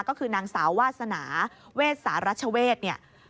ก็คือนางสาวาสนาเวชสารัชเวช